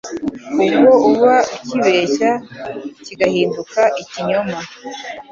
Ubwo uba ucyibeshya kigahinduka ikinyoma.